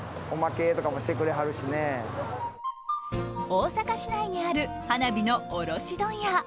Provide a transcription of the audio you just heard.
大阪市内にある花火の卸問屋。